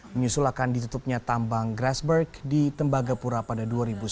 menyusul akan ditutupnya tambang grassberg di tembagapura pada dua ribu sembilan belas